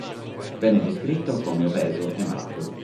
Venne descritto come obeso e malato.